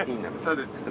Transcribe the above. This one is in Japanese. そうです。